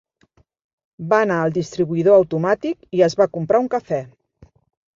Va anar al distribuïdor automàtic i es va comprar un cafè.